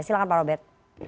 silakan pak robert